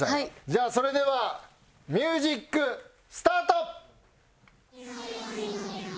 じゃあそれではミュージックスタート。